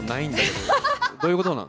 どういうことなの？